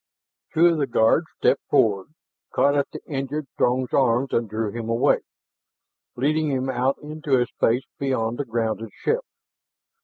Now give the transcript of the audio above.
Two of the guards stepped forward, caught at the injured Throg's arms and drew him away, leading him out into a space beyond the grounded ship.